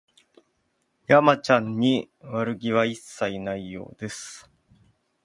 山ちゃんに悪気は一切ないようです